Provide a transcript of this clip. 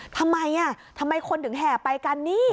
ทำไมทำไมคนถึงแห่ไปกันนี่